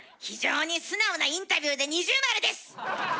非常に素直なインタビュ−で二重丸です！